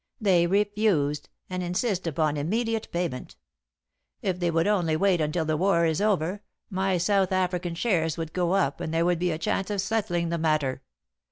They refused, and insist upon immediate payment. If they would only wait until the war is over, my South African shares would go up and there would be a chance of settling the matter.